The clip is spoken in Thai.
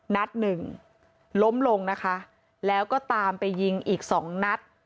นัดหนึ่งล้มลงนะคะแล้วก็ตามไปยิงอีกสองนัด